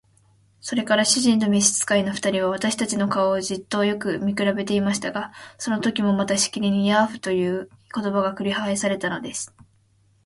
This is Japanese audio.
それから主人と召使の二人は、私たちの顔をじっとよく見くらべていましたが、そのときもまたしきりに「ヤーフ」という言葉が繰り返されたのです。